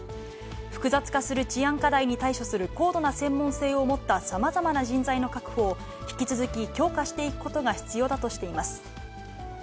複雑化する治安課題に対処する高度な専門性を持ったさまざまな人材の確保を引き続き、強化していくことが必要だとしています。